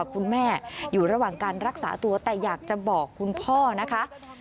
คุณแม่อยู่ระหว่างการรักษาตัวแต่อยากจะบอกคุณพ่อนะคะ